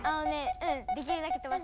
できるだけとばす。